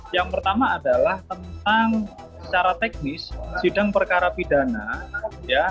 yang pertama adalah tentang secara teknis sidang perkara pidana ya